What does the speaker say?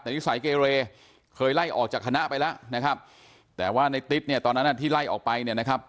แต่นิสัยเกเรเคยไล่ออกจากคณะไปแล้วนะครับแต่ว่าในติ๊ดเนี่ยตอนนั้นที่ไล่ออกไปเนี่ยนะครับ